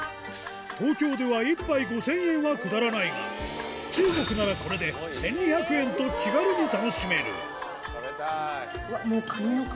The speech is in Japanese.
東京では一杯５０００円はくだらないが中国ならこれで１２００円と気軽に楽しめる食べたい！